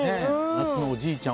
夏のおじいちゃん